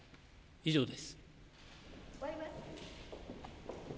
以上です。